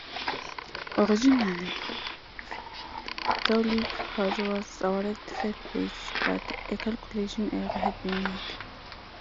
Originally, Thorleif Haug was awarded third place, but a calculation error had been made.